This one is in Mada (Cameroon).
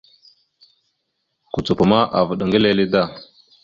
Kucupa ma avaɗ ŋga lele da.